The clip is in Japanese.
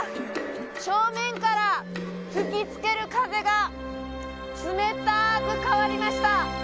正面から吹きつける風が冷たく変わりました